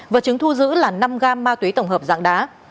vật chứng thu giữ là năm gam ma túy tổng hợp dạng đá